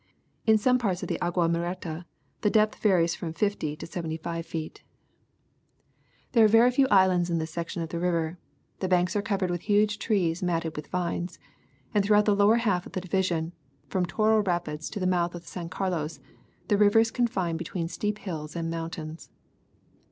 Li some parts of the Agua Muerte the depth varies from fifty to seventy five feet. 332 National Geographic Magazine. There are very few islands in this section of the river, the banks are covered with huge trees matted with vines, and through out the lower half of the division, from Toro rapids to the mouth of the San Carlos, the river is confined between steep hills and mountains.